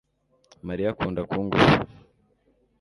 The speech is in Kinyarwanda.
Mariya akunda kung fu